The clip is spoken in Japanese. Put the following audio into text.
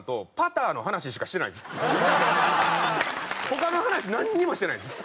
他の話なんにもしてないです。